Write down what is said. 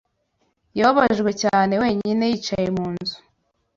Yababajwe cyane, wenyine yicaye mu nzu